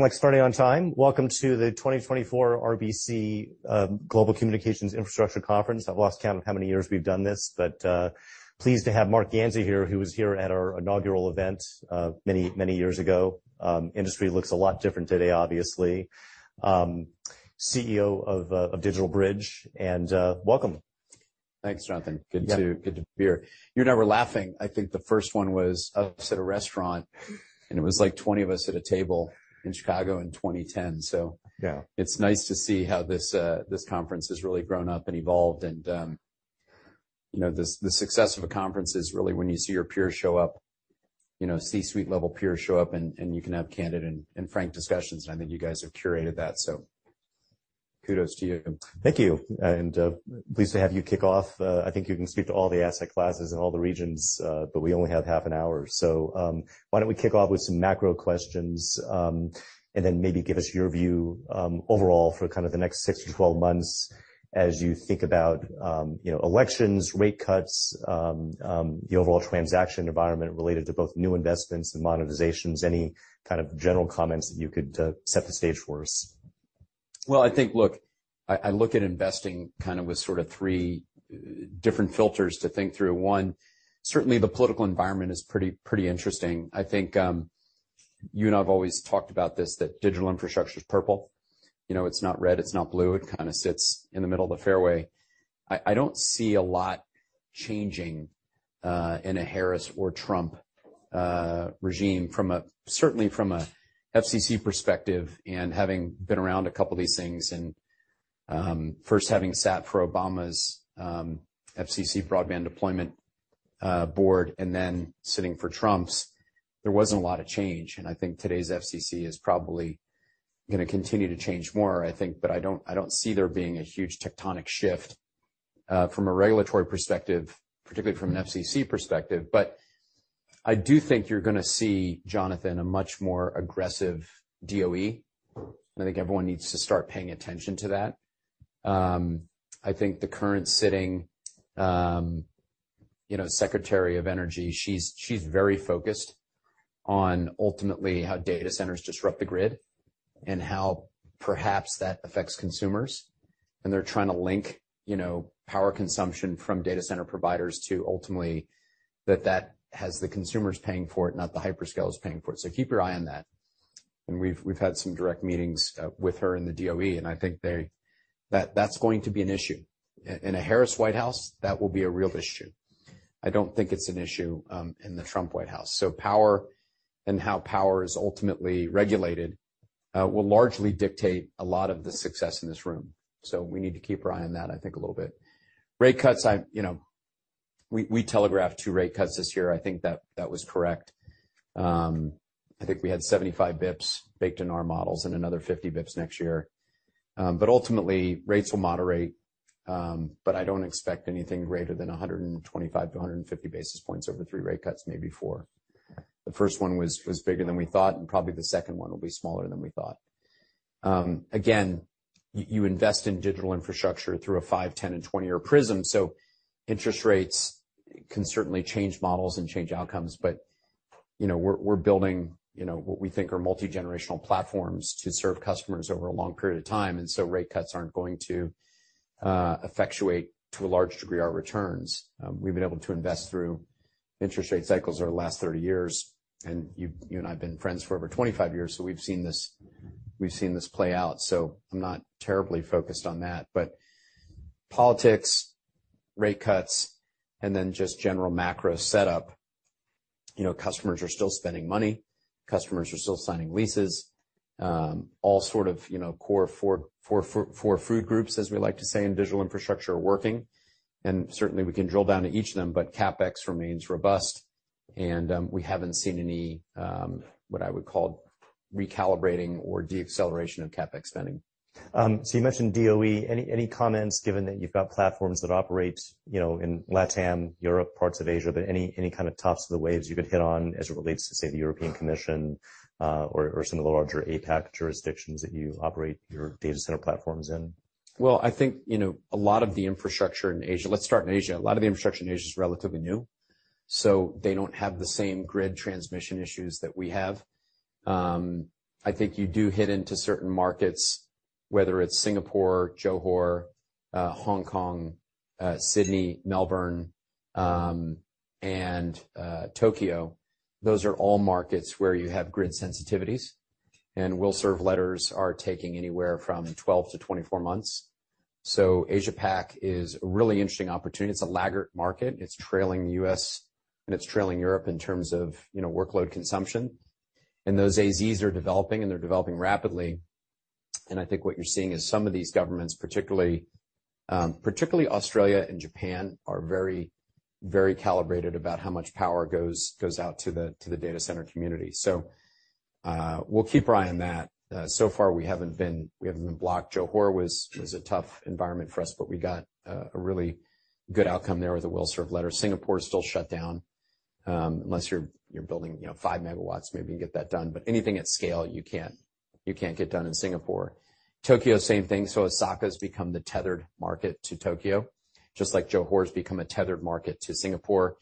Like starting on time. Welcome to the 2024 RBC Global Communications Infrastructure Conference. I've lost count of how many years we've done this, but pleased to have Marc Ganzi here, who was here at our inaugural event many, many years ago. Industry looks a lot different today, obviously. CEO of DigitalBridge, and welcome. Thanks, Jonathan. Yeah. Good to be here. You're never laughing. I think the first one was us at a restaurant, and it was, like, 20 of us at a table in Chicago in 2010. So- Yeah. It's nice to see how this conference has really grown up and evolved, and you know, the success of a conference is really when you see your peers show up, you know, C-suite level peers show up, and you can have candid and frank discussions, and I think you guys have curated that, so kudos to you. Thank you, and, pleased to have you kick off. I think you can speak to all the asset classes in all the regions, but we only have half an hour. So, why don't we kick off with some macro questions, and then maybe give us your view, overall for kind of the next six to twelve months as you think about, you know, elections, rate cuts, the overall transaction environment related to both new investments and monetizations. Any kind of general comments that you could, set the stage for us? I think I look at investing kind of with sort of three different filters to think through. One, certainly the political environment is pretty interesting. I think, you and I have always talked about this, that digital infrastructure is purple. You know, it's not red, it's not blue. It kind of sits in the middle of the fairway. I don't see a lot changing in a Harris or Trump regime from certainly from an FCC perspective, and having been around a couple of these things and first having sat for Obama's FCC Broadband Deployment Board, and then sitting for Trump's, there wasn't a lot of change, and I think today's FCC is probably gonna continue to change more, I think, but I don't see there being a huge tectonic shift from a regulatory perspective, particularly from an FCC perspective. But I do think you're gonna see, Jonathan, a much more aggressive DOE. I think everyone needs to start paying attention to that. I think the current sitting you know Secretary of Energy, she's very focused on ultimately how data centers disrupt the grid and how perhaps that affects consumers. And they're trying to link, you know, power consumption from data center providers to ultimately that has the consumers paying for it, not the hyperscalers paying for it. So keep your eye on that. And we've had some direct meetings with her in the DOE, and I think that's going to be an issue. In a Harris White House, that will be a real issue. I don't think it's an issue in the Trump White House. So power and how power is ultimately regulated will largely dictate a lot of the success in this room. So we need to keep our eye on that, I think, a little bit. Rate cuts, you know, we telegraphed two rate cuts this year. I think that was correct. I think we had 75 bps baked in our models and another 50 bps next year. But ultimately, rates will moderate, but I don't expect anything greater than 125-150 basis points over three rate cuts, maybe four. The first one was bigger than we thought, and probably the second one will be smaller than we thought. Again, you invest in digital infrastructure through a 5-, 10-, and 20-year prism, so interest rates can certainly change models and change outcomes, but, you know, we're building, you know, what we think are multigenerational platforms to serve customers over a long period of time, and so rate cuts aren't going to effectuate, to a large degree, our returns. We've been able to invest through interest rate cycles over the last 30 years, and you've—you and I have been friends for over 25 years, so we've seen this, we've seen this play out. So I'm not terribly focused on that. But politics, rate cuts, and then just general macro setup. You know, customers are still spending money, customers are still signing leases, all sort of, you know, core four food groups, as we like to say, in digital infrastructure, are working, and certainly we can drill down to each of them, but CapEx remains robust, and we haven't seen any what I would call recalibrating or deacceleration of CapEx spending. So you mentioned DOE. Any comments, given that you've got platforms that operate, you know, in Latin, Europe, parts of Asia, but any kind of tops of the waves you could hit on as it relates to, say, the European Commission, or some of the larger APAC jurisdictions that you operate your data center platforms in? Well, I think, you know, a lot of the infrastructure in Asia. Let's start in Asia. A lot of the infrastructure in Asia is relatively new, so they don't have the same grid transmission issues that we have. I think you do hit into certain markets, whether it's Singapore, Johor, Hong Kong, Sydney, Melbourne, and Tokyo. Those are all markets where you have grid sensitivities, and will-serve letters are taking anywhere from 12-24 months, so Asia-Pac is a really interesting opportunity. It's a laggard market. It's trailing the U.S., and it's trailing Europe in terms of, you know, workload consumption, and those AZs are developing, and they're developing rapidly. And I think what you're seeing is some of these governments, particularly Australia and Japan, are very calibrated about how much power goes out to the data center community. So we'll keep our eye on that. So far, we haven't been blocked. Johor was a tough environment for us, but we got a really good outcome there with the will-serve letter. Singapore is still shut down, unless you're building, you know, 5 MW, maybe you get that done, but anything at scale, you can't get done in Singapore. Tokyo, same thing, so Osaka has become the tethered market to Tokyo, just like Johor has become a tethered market to Singapore,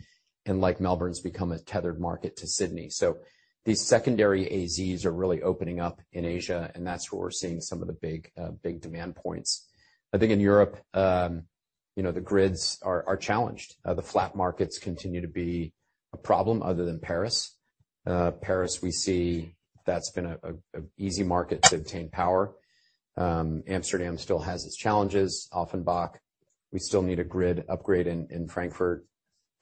and like Melbourne's become a tethered market to Sydney. So these secondary AZs are really opening up in Asia, and that's where we're seeing some of the big demand points. I think in Europe, you know, the grids are challenged. The flat markets continue to be a problem other than Paris. Paris, we see that's been an easy market to obtain power. Amsterdam still has its challenges. Offenbach, we still need a grid upgrade in Frankfurt,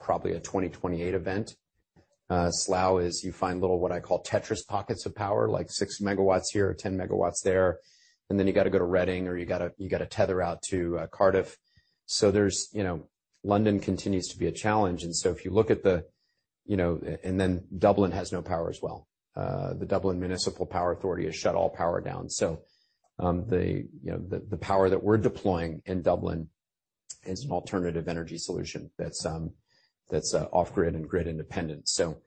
probably a 2028 event. Slough, you find little, what I call, Tetris pockets of power, like 6 MW here or 10 MW there, and then you gotta go to Reading, or you gotta tether out to Cardiff. So there's, you know, London continues to be a challenge, and so if you look at the, you know. And then Dublin has no power as well. The Dublin Municipal Power Authority has shut all power down, so you know, the power that we're deploying in Dublin is an alternative energy solution that's off-grid and grid independent, so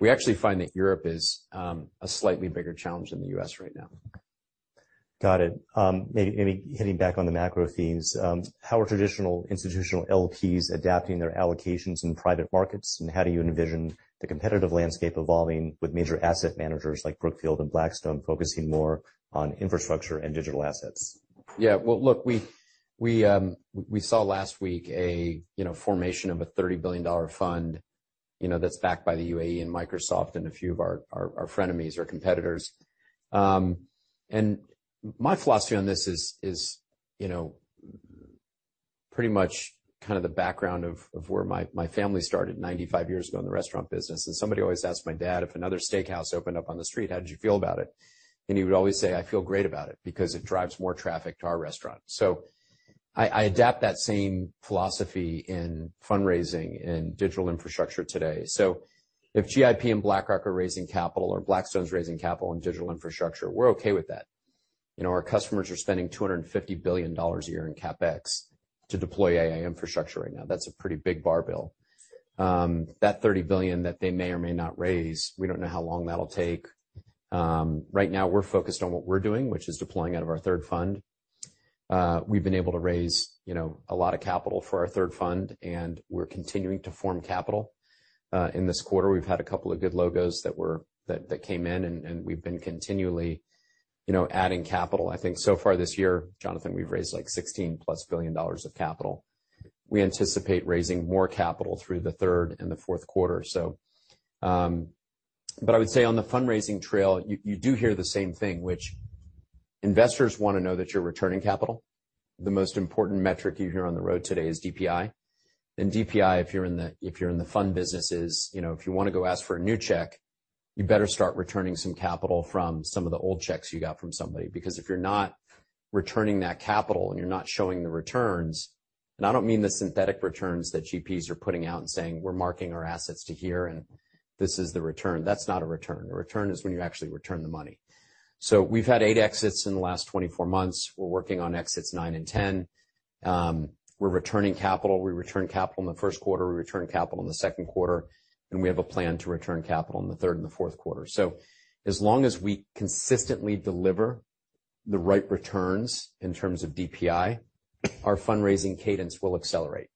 we actually find that Europe is a slightly bigger challenge than the U.S. right now. Got it. Maybe hitting back on the macro themes, how are traditional institutional LPs adapting their allocations in private markets? And how do you envision the competitive landscape evolving with major asset managers like Brookfield and Blackstone focusing more on infrastructure and digital assets? Yeah. Well, look, we saw last week a you know formation of a $30 billion fund, you know, that's backed by the UAE and Microsoft and a few of our frenemies or competitors. And my philosophy on this is you know pretty much kind of the background of where my family started 95 years ago in the restaurant business. And somebody always asked my dad, "If another steakhouse opened up on the street, how did you feel about it?" And he would always say, "I feel great about it because it drives more traffic to our restaurant." So I adapt that same philosophy in fundraising and digital infrastructure today. So if GIP and BlackRock are raising capital or Blackstone's raising capital in digital infrastructure, we're okay with that. You know, our customers are spending $250 billion a year in CapEx to deploy AI infrastructure right now. That's a pretty big bar bill. That thirty billion that they may or may not raise, we don't know how long that'll take. Right now, we're focused on what we're doing, which is deploying out of our third fund. We've been able to raise, you know, a lot of capital for our third fund, and we're continuing to form capital. In this quarter, we've had a couple of good logos that came in, and we've been continually, you know, adding capital. I think so far this year, Jonathan, we've raised, like, $16+ billion of capital. We anticipate raising more capital through the third and the fourth quarter, so... But I would say on the fundraising trail, you do hear the same thing, which investors want to know that you're returning capital. The most important metric you hear on the road today is DPI. And DPI, if you're in the fund business, is, you know, if you wanna go ask for a new check, you better start returning some capital from some of the old checks you got from somebody, because if you're not returning that capital and you're not showing the returns, and I don't mean the synthetic returns that GPs are putting out and saying, "We're marking our assets to here, and this is the return." That's not a return. A return is when you actually return the money. So we've had eight exits in the last 24 months. We're working on exits nine and ten. We're returning capital. We returned capital in the first quarter, we returned capital in the second quarter, and we have a plan to return capital in the third and the fourth quarter. So as long as we consistently deliver the right returns in terms of DPI, our fundraising cadence will accelerate.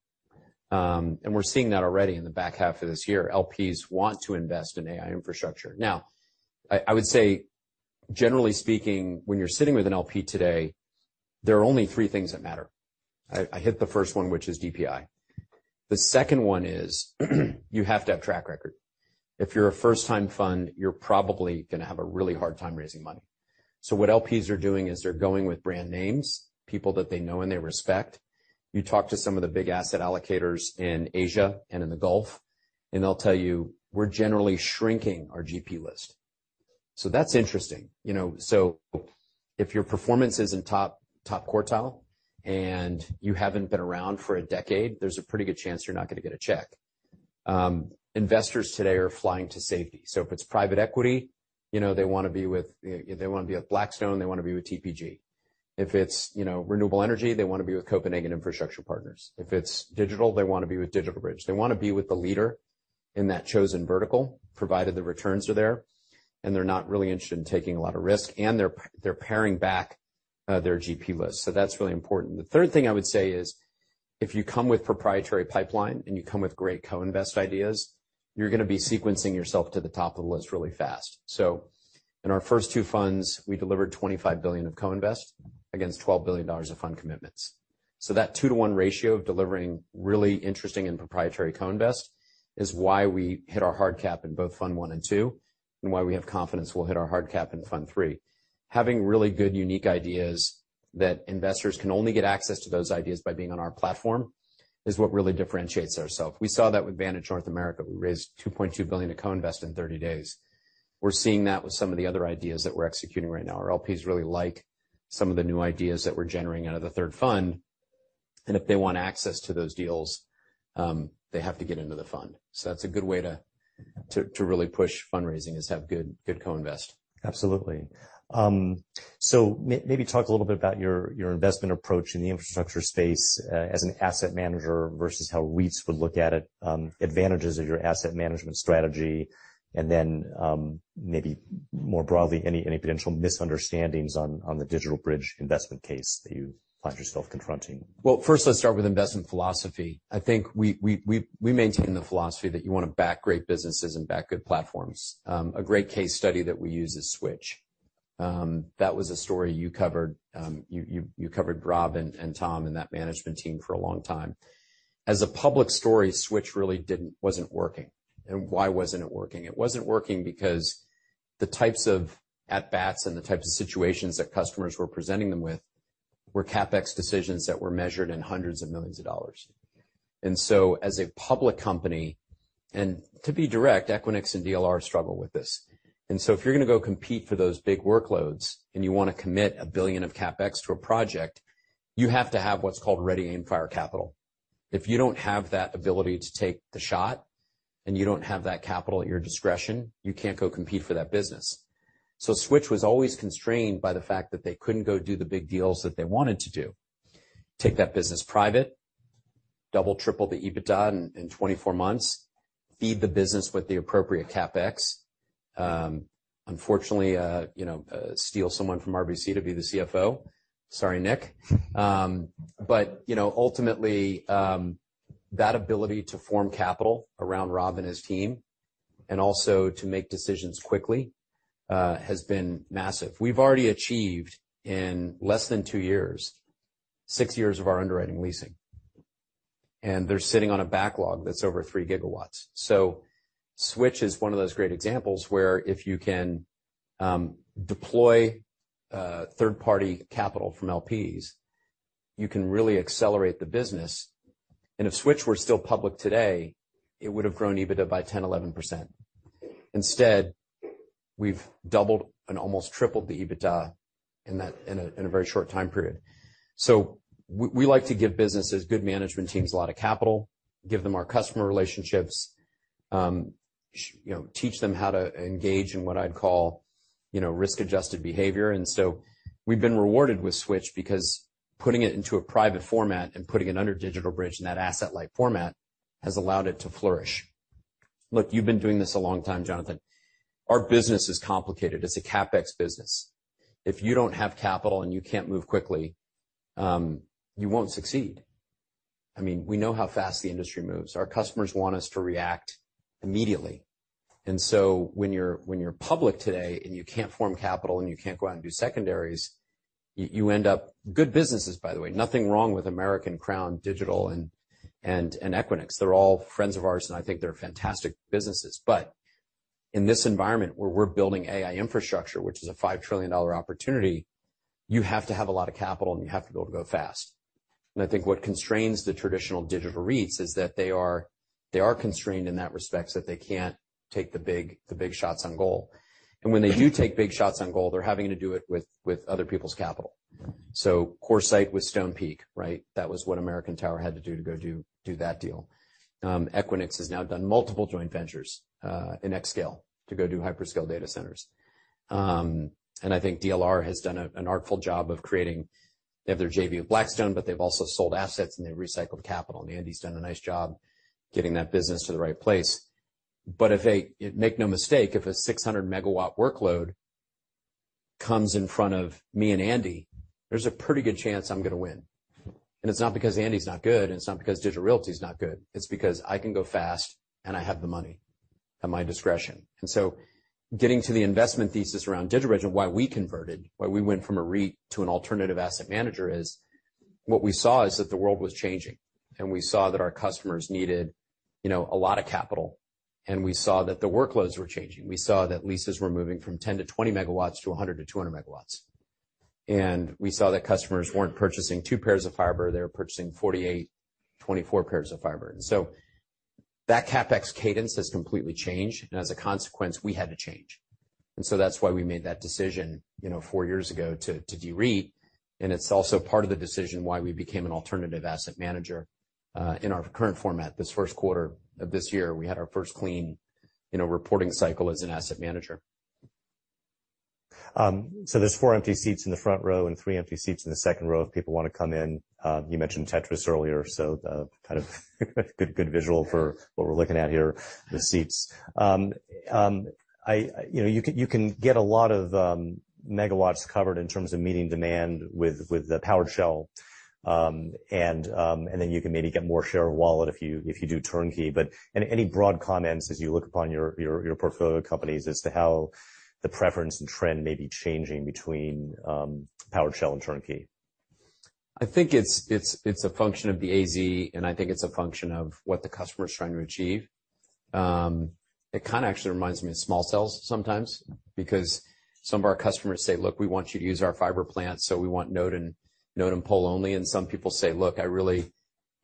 And we're seeing that already in the back half of this year. LPs want to invest in AI infrastructure. Now, I would say, generally speaking, when you're sitting with an LP today, there are only three things that matter. I hit the first one, which is DPI. The second one is, you have to have track record. If you're a first-time fund, you're probably gonna have a really hard time raising money. So what LPs are doing is they're going with brand names, people that they know and they respect. You talk to some of the big asset allocators in Asia and in the Gulf, and they'll tell you, "We're generally shrinking our GP list." So that's interesting. You know, so if your performance is in top, top quartile and you haven't been around for a decade, there's a pretty good chance you're not gonna get a check. Investors today are flying to safety. So if it's private equity, you know, they wanna be with, they wanna be with Blackstone, they wanna be with TPG. If it's, you know, renewable energy, they wanna be with Copenhagen Infrastructure Partners. If it's digital, they wanna be with DigitalBridge. They wanna be with the leader in that chosen vertical, provided the returns are there, and they're not really interested in taking a lot of risk, and they're paring back their GP list. So that's really important. The third thing I would say is, if you come with proprietary pipeline and you come with great co-invest ideas, you're gonna be sequencing yourself to the top of the list really fast. So in our first two funds, we delivered $25 billion of co-invest against $12 billion of fund commitments. So that 2-to-1 ratio of delivering really interesting and proprietary co-invest is why we hit our hard cap in both fund one and two, and why we have confidence we'll hit our hard cap in fund three. Having really good, unique ideas that investors can only get access to those ideas by being on our platform, is what really differentiates ourselves. We saw that with Vantage North America. We raised $2.2 billion in co-invest in 30 days. We're seeing that with some of the other ideas that we're executing right now. Our LPs really like some of the new ideas that we're generating out of the third fund, and if they want access to those deals, they have to get into the fund. So that's a good way to really push fundraising is have good co-invest. Absolutely. So maybe talk a little bit about your investment approach in the infrastructure space as an asset manager versus how REITs would look at it, advantages of your asset management strategy, and then maybe more broadly, any potential misunderstandings on the DigitalBridge investment case that you find yourself confronting? First, let's start with investment philosophy. I think we maintain the philosophy that you wanna back great businesses and back good platforms. A great case study that we use is Switch. That was a story you covered. You covered Rob and Tom and that management team for a long time. As a public story, Switch really wasn't working. And why wasn't it working? It wasn't working because the types of at-bats and the types of situations that customers were presenting them with were CapEx decisions that were measured in hundreds of millions of dollars. And so as a public company, and to be direct, Equinix and DLR struggle with this. And so if you're gonna go compete for those big workloads, and you wanna commit $1 billion of CapEx to a project, you have to have what's called ready-aim-fire capital. If you don't have that ability to take the shot, and you don't have that capital at your discretion, you can't go compete for that business. So Switch was always constrained by the fact that they couldn't go do the big deals that they wanted to do. Take that business private, double, triple the EBITDA in 24 months, feed the business with the appropriate CapEx. Unfortunately, you know, steal someone from RBC to be the CFO. Sorry, Nick. But, you know, ultimately, that ability to form capital around Rob and his team, and also to make decisions quickly, has been massive. We've already achieved, in less than two years, six years of our underwriting leasing, and they're sitting on a backlog that's over 3 GW. So Switch is one of those great examples where if you can deploy third-party capital from LPs, you can really accelerate the business. And if Switch were still public today, it would have grown EBITDA by 10%-11%. Instead, we've doubled and almost tripled the EBITDA in that in a very short time period. So we like to give businesses, good management teams, a lot of capital, give them our customer relationships, you know, teach them how to engage in what I'd call, you know, risk-adjusted behavior. And so we've been rewarded with Switch because putting it into a private format and putting it under DigitalBridge in that asset-light format has allowed it to flourish. Look, you've been doing this a long time, Jonathan. Our business is complicated. It's a CapEx business. If you don't have capital and you can't move quickly, you won't succeed. I mean, we know how fast the industry moves. Our customers want us to react immediately. And so when you're public today, and you can't form capital, and you can't go out and do secondaries, you end up... Good businesses, by the way, nothing wrong with American, Crown, Digital, and Equinix. They're all friends of ours, and I think they're fantastic businesses. But in this environment, where we're building AI infrastructure, which is a $5 trillion opportunity, you have to have a lot of capital, and you have to be able to go fast. And I think what constrains the traditional digital REITs is that they are constrained in that respect, that they can't take the big shots on goal. And when they do take big shots on goal, they're having to do it with other people's capital. So CoreSite with Stonepeak, right? That was what American Tower had to do to go do that deal. Equinix has now done multiple joint ventures in xScale, to go do hyperscale data centers. And I think DLR has done an artful job of creating... They have their JV with Blackstone, but they've also sold assets, and they've recycled capital, and Andy's done a nice job getting that business to the right place. But if, make no mistake, if a 600 MW workload comes in front of me and Andy, there's a pretty good chance I'm gonna win. And it's not because Andy's not good, and it's not because Digital Realty is not good. It's because I can go fast, and I have the money at my discretion. And so getting to the investment thesis around DigitalBridge and why we converted, why we went from a REIT to an alternative asset manager, is what we saw is that the world was changing, and we saw that our customers needed, you know, a lot of capital, and we saw that the workloads were changing. We saw that leases were moving from 10 to 20 MW to 100 to 200 MW. And we saw that customers weren't purchasing two pairs of fiber. They were purchasing 48, 24 pairs of fiber. That CapEx cadence has completely changed, and as a consequence, we had to change. That's why we made that decision, you know, four years ago to de-REIT, and it's also part of the decision why we became an alternative asset manager in our current format. This first quarter of this year, we had our first clean, you know, reporting cycle as an asset manager. So there's four empty seats in the front row and three empty seats in the second row if people wanna come in. You mentioned Tetris earlier, so kind of good visual for what we're looking at here, the seats. You know, you can get a lot of megawatts covered in terms of meeting demand with the powered shell, and then you can maybe get more share of wallet if you do turnkey. But any broad comments as you look upon your portfolio companies as to how the preference and trend may be changing between powered shell and turnkey? I think it's a function of the AZ, and I think it's a function of what the customer is trying to achieve. It kinda actually reminds me of small cells sometimes because some of our customers say: Look, we want you to use our fiber plant, so we want node and pole only. And some people say: Look, I really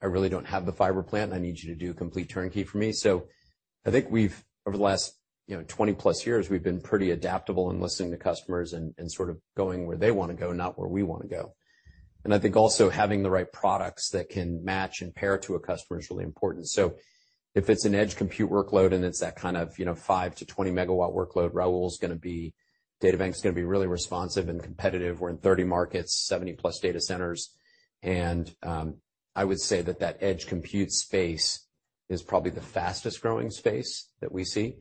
don't have the fiber plant. I need you to do complete turnkey for me. So I think we've over the last, you know, twenty-plus years, been pretty adaptable in listening to customers and sort of going where they wanna go, not where we wanna go.... And I think also having the right products that can match and pair to a customer is really important. So if it's an edge compute workload, and it's that kind of, you know, 5 MW to 20 MW workload, Raul is gonna be DataBank's gonna be really responsive and competitive. We're in 30 markets, 70+ data centers, and I would say that that edge compute space is probably the fastest-growing space that we see.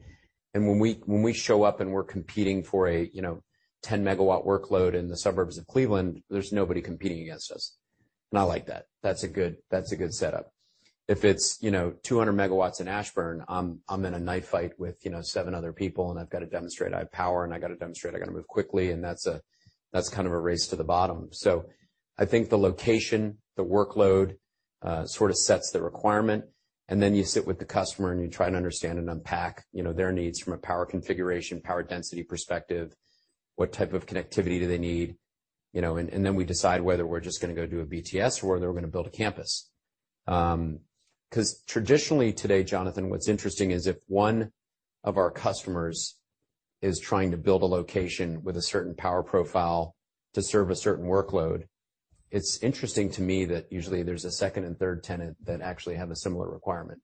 And when we show up and we're competing for a, you know, 10-MW workload in the suburbs of Cleveland, there's nobody competing against us, and I like that. That's a good, that's a good setup. If it's, you know, 200 MW in Ashburn, I'm in a knife fight with, you know, seven other people, and I've got to demonstrate I have power, and I got to move quickly, and that's a race to the bottom. So I think the location, the workload, sort of sets the requirement, and then you sit with the customer, and you try to understand and unpack, you know, their needs from a power configuration, power density perspective, what type of connectivity do they need, you know, and then we decide whether we're just gonna go do a BTS or whether we're gonna build a campus. Because traditionally today, Jonathan, what's interesting is if one of our customers is trying to build a location with a certain power profile to serve a certain workload, it's interesting to me that usually there's a second and third tenant that actually have a similar requirement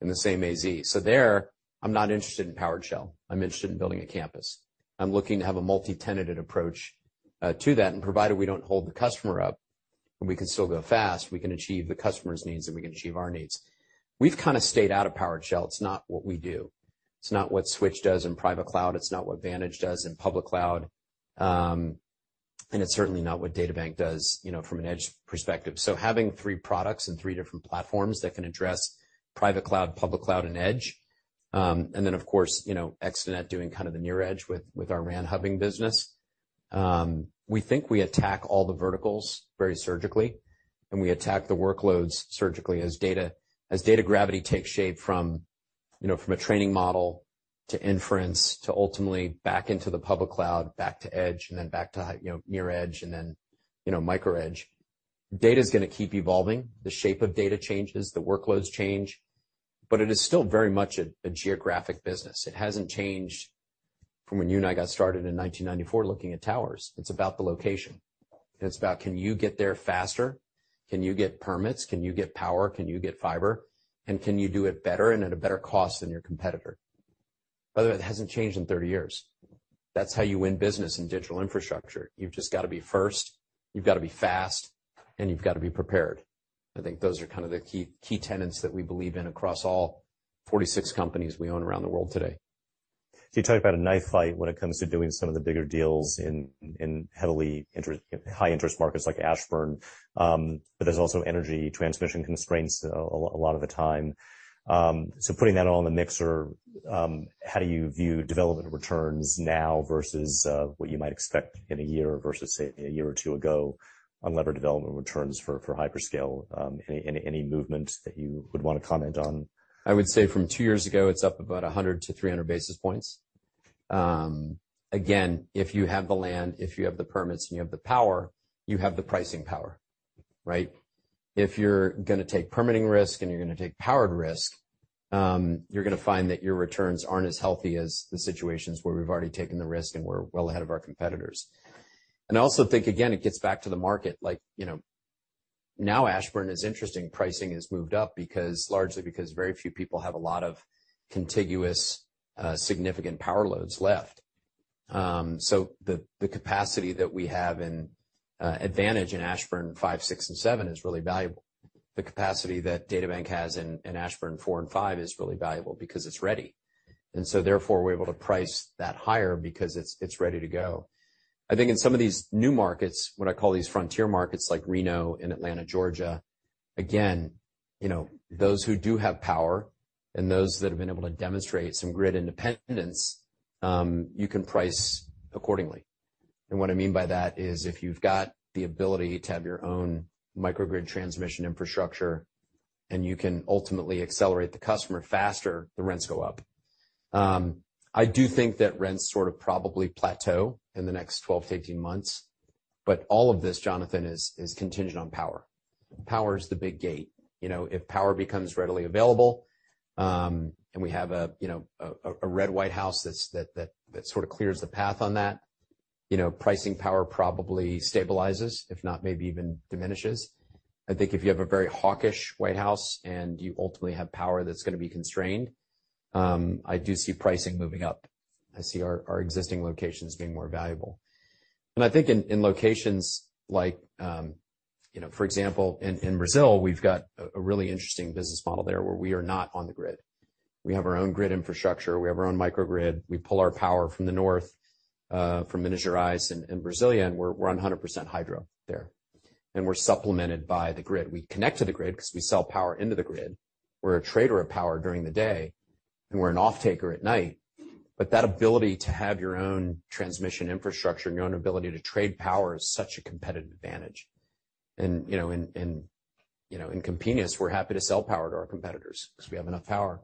in the same AZ. So there, I'm not interested in powered shell, I'm interested in building a campus. I'm looking to have a multi-tenanted approach to that, and provided we don't hold the customer up, and we can still go fast, we can achieve the customer's needs, and we can achieve our needs. We've kind of stayed out of powered shell. It's not what we do. It's not what Switch does in private cloud, it's not what Vantage does in public cloud, and it's certainly not what DataBank does, you know, from an edge perspective. So having three products and three different platforms that can address private cloud, public cloud, and edge, and then, of course, you know, ZenFi doing kind of the near edge with our RAN hubbing business. We think we attack all the verticals very surgically, and we attack the workloads surgically as data gravity takes shape from, you know, from a training model to inference, to ultimately back into the public cloud, back to edge, and then back to, you know, near edge, and then, you know, micro edge. Data is gonna keep evolving. The shape of data changes, the workloads change, but it is still very much a geographic business. It hasn't changed from when you and I got started in 1994 looking at towers. It's about the location. It's about, can you get there faster? Can you get permits? Can you get power? Can you get fiber? And can you do it better and at a better cost than your competitor? By the way, it hasn't changed in thirty years. That's how you win business in digital infrastructure. You've just got to be first, you've got to be fast, and you've got to be prepared. I think those are kind of the key, key tenets that we believe in across all 46 companies we own around the world today. So you talked about a knife fight when it comes to doing some of the bigger deals in heavily high-interest markets like Ashburn, but there's also energy transmission constraints a lot of the time. So putting that all in the mixer, how do you view development returns now versus what you might expect in a year versus, say, a year or two ago on lever development returns for hyperscale? Any movement that you would want to comment on? I would say from two years ago, it's up about 100-300 basis points. Again, if you have the land, if you have the permits, and you have the power, you have the pricing power, right? If you're gonna take permitting risk and you're gonna take power risk, you're gonna find that your returns aren't as healthy as the situations where we've already taken the risk and we're well ahead of our competitors. And I also think, again, it gets back to the market. Like, you know, now Ashburn is interesting. Pricing has moved up because, largely because very few people have a lot of contiguous, significant power loads left. So the capacity that we have in Vantage in Ashburn five, six, and seven is really valuable. The capacity that DataBank has in Ashburn four and five is really valuable because it's ready, and so therefore, we're able to price that higher because it's ready to go. I think in some of these new markets, what I call these frontier markets, like Reno and Atlanta, Georgia, again, you know, those who do have power and those that have been able to demonstrate some grid independence, you can price accordingly, and what I mean by that is, if you've got the ability to have your own microgrid transmission infrastructure and you can ultimately accelerate the customer faster, the rents go up. I do think that rents sort of probably plateau in the next 12-18 months, but all of this, Jonathan, is contingent on power. Power is the big gate. You know, if power becomes readily available, and we have a, you know, a red White House that sort of clears the path on that, you know, pricing power probably stabilizes, if not, maybe even diminishes. I think if you have a very hawkish White House and you ultimately have power that's gonna be constrained, I do see pricing moving up. I see our existing locations being more valuable. And I think in locations like, you know, for example, in Brazil, we've got a really interesting business model there where we are not on the grid. We have our own grid infrastructure, we have our own microgrid, we pull our power from the north, from Minas Gerais and Brazilian, we're 100% hydro there, and we're supplemented by the grid. We connect to the grid because we sell power into the grid. We're a trader of power during the day, and we're an offtaker at night. But that ability to have your own transmission infrastructure and your own ability to trade power is such a competitive advantage. And, you know, in Campinas, we're happy to sell power to our competitors because we have enough power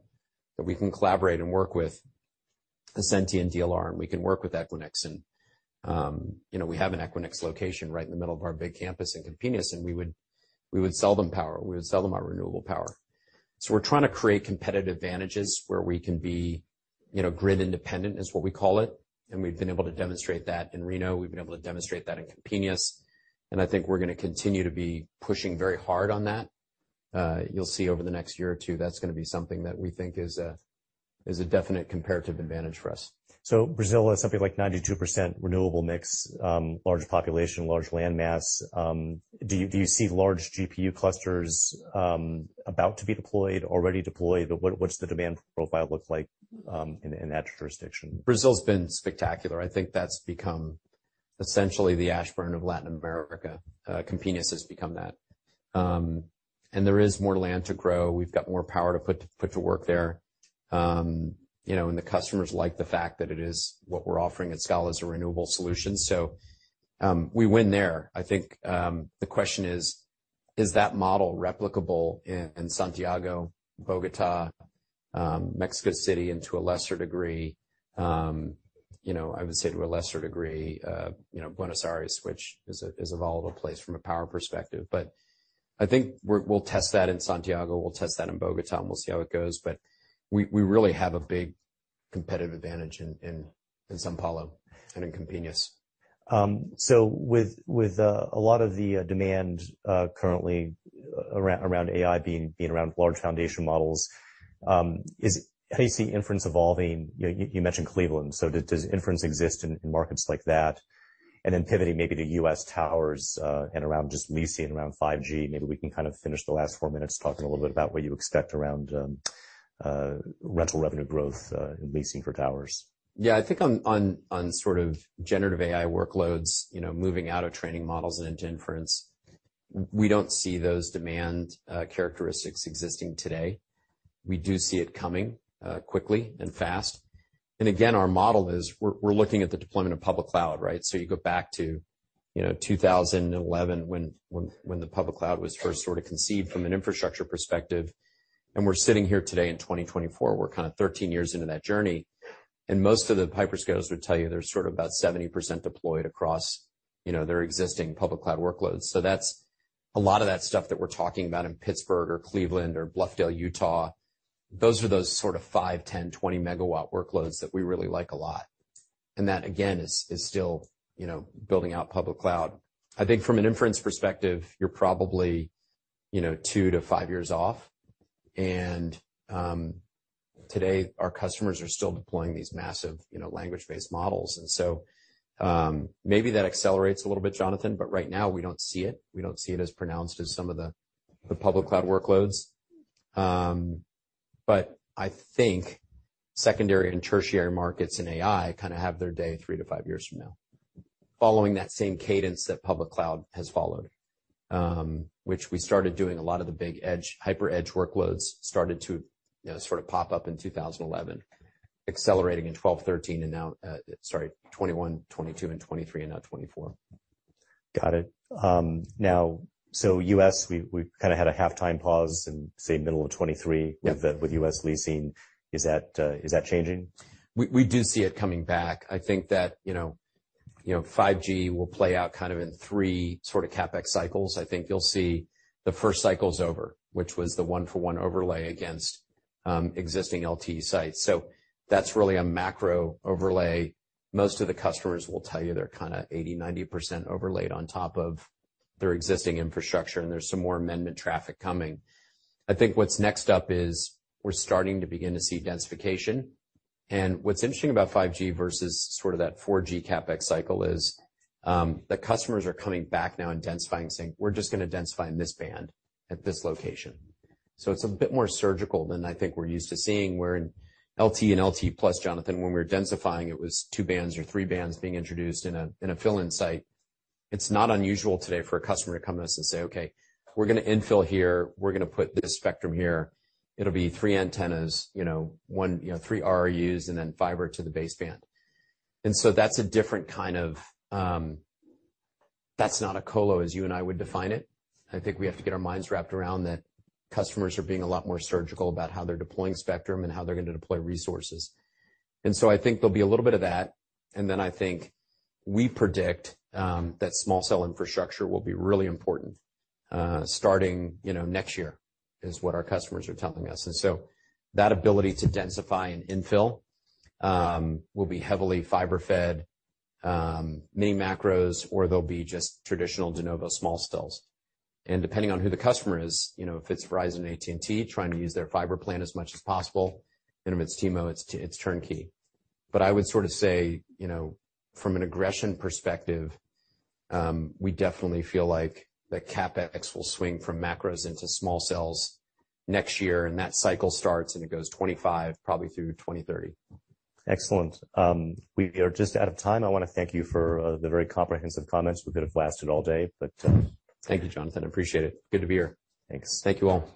that we can collaborate and work with Ascenty and DLR, and we can work with Equinix. And, you know, we have an Equinix location right in the middle of our big campus in Campinas, and we would sell them power. We would sell them our renewable power. We're trying to create competitive advantages where we can be, you know, grid independent, is what we call it, and we've been able to demonstrate that in Reno, we've been able to demonstrate that in Campinas, and I think we're gonna continue to be pushing very hard on that. You'll see over the next year or two, that's gonna be something that we think is a definite comparative advantage for us. So Brazil has something like 92% renewable mix, large population, large land mass. Do you see large GPU clusters about to be deployed, already deployed? What's the demand profile look like in that jurisdiction? Brazil's been spectacular. I think that's become essentially the Ashburn of Latin America. Campinas has become that, and there is more land to grow. We've got more power to put to work there. You know, and the customers like the fact that it is, what we're offering at scale is a renewable solution, so, we win there. I think, the question is: Is that model replicable in Santiago, Bogotá, Mexico City, and to a lesser degree, you know, I would say to a lesser degree, you know, Buenos Aires, which is a volatile place from a power perspective. But I think we'll test that in Santiago, we'll test that in Bogotá, and we'll see how it goes. But we really have a big competitive advantage in São Paulo and in Campinas. So with a lot of the demand currently around AI being around large foundation models, how do you see inference evolving? You mentioned Cleveland, so does inference exist in markets like that? And then pivoting maybe to U.S. towers, and around just leasing around 5G. Maybe we can kind of finish the last four minutes talking a little bit about what you expect around rental revenue growth in leasing for towers. Yeah, I think on sort of generative AI workloads, you know, moving out of training models into inference, we don't see those demand characteristics existing today. We do see it coming quickly and fast. And again, our model is we're looking at the deployment of public cloud, right? So you go back to, you know, 2011, when the public cloud was first sort of conceived from an infrastructure perspective, and we're sitting here today in 2024. We're kind of 13 years into that journey, and most of the hyperscalers would tell you they're sort of about 70% deployed across, you know, their existing public cloud workloads. So that's a lot of that stuff that we're talking about in Pittsburgh or Cleveland or Bluffdale, Utah, those are those sort of 5, 10, 20 MW workloads that we really like a lot. And that, again, is still, you know, building out public cloud. I think from an inference perspective, you're probably, you know, two to five years off, and today, our customers are still deploying these massive, you know, language-based models. And so, maybe that accelerates a little bit, Jonathan, but right now we don't see it. We don't see it as pronounced as some of the public cloud workloads. But I think secondary and tertiary markets in AI kind of have their day three to five years from now, following that same cadence that public cloud has followed, which we started doing a lot of the big edge hyper edge workloads started to, you know, sort of pop up in 2011, accelerating in 2012, 2013, and now 2021, 2022, 2023, and now 2024. Got it. Now, so U.S., we, we've kind of had a halftime pause in, say, middle of 2023. Yeah With the, with U.S. leasing. Is that, is that changing? We do see it coming back. I think that, you know, 5G will play out kind of in three sort of CapEx cycles. I think you'll see the first cycle's over, which was the one-for-one overlay against existing LTE sites. So that's really a macro overlay. Most of the customers will tell you they're kinda 80%-90% overlaid on top of their existing infrastructure, and there's some more amendment traffic coming. I think what's next up is we're starting to see densification. And what's interesting about 5G versus sort of that 4G CapEx cycle is, the customers are coming back now and densifying, saying, "We're just gonna densify in this band at this location." So it's a bit more surgical than I think we're used to seeing, where in LTE and LTE plus, Jonathan, when we were densifying, it was two bands or three bands being introduced in a fill-in site. It's not unusual today for a customer to come to us and say, "Okay, we're gonna infill here. We're gonna put this spectrum here. It'll be three antennas, you know, one- you know, three RUs, and then fiber to the baseband." And so that's a different kind of... That's not a colo as you and I would define it. I think we have to get our minds wrapped around that customers are being a lot more surgical about how they're deploying spectrum and how they're going to deploy resources. And so I think there'll be a little bit of that, and then I think we predict that small cell infrastructure will be really important starting, you know, next year, is what our customers are telling us. And so that ability to densify and infill will be heavily fiber-fed mini macros, or they'll be just traditional de novo small cells. And depending on who the customer is, you know, if it's Verizon or AT&T, trying to use their fiber plan as much as possible, and if it's T-Mo, it's turnkey. But I would sort of say, you know, from an aggression perspective, we definitely feel like the CapEx will swing from macros into small cells next year, and that cycle starts, and it goes 2025, probably through 2030. Excellent. We are just out of time. I wanna thank you for the very comprehensive comments. We could have lasted all day, but. Thank you, Jonathan. Appreciate it. Good to be here. Thanks. Thank you, all.